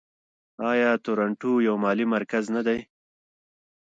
آیا تورنټو یو مالي مرکز نه دی؟